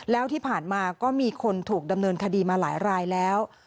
แล้วที่ผ่านมาก็มีคนถูกดำเนินคดีมาหลายรายแล้ว